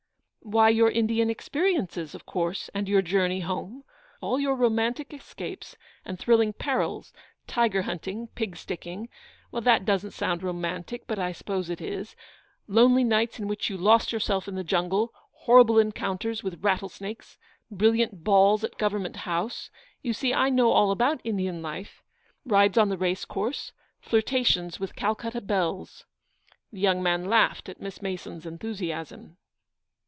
" Why, your Indian experiences, of course, and your journey home. All your romantic escapes, and thrilling perils, tiger hunting, pig sticking — that doesn't sound romantic, but I suppose it is — lonely nights in which you lost yourself in the jungle, horrible encounters with rattlesnakes, brilliant balls at Government House — you see I know all about Indian life — rides on the race course, flirtations with Calcutta belles." The young man laughed at Miss Mason's en thusiasm.